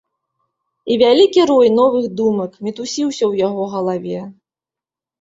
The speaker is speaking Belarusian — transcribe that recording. І вялікі рой новых думак мітусіўся ў яго галаве.